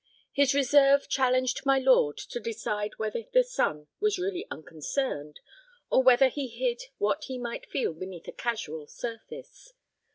His reserve challenged my lord to decide whether the son was really unconcerned, or whether he hid what he might feel beneath a casual surface.